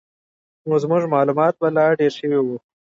نو زموږ معلومات به لا ډېر شوي وو.